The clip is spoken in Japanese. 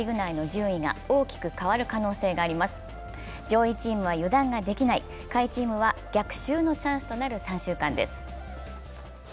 上位チームは油断ができない、下位チームは逆襲のチャンスとなる３週間です。